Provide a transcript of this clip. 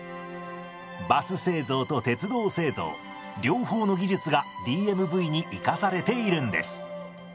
バス製造と鉄道製造両方の技術がＤＭＶに生かされているんです。